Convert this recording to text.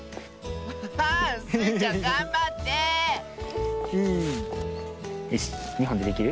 アハハースイちゃんがんばってよし２ほんでできる？